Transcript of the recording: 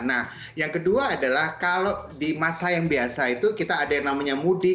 nah yang kedua adalah kalau di masa yang biasa itu kita ada yang namanya mudik